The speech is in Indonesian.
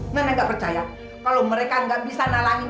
nenek gak percaya kalau mereka gak bisa nalahin